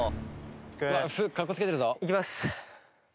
「いきます！」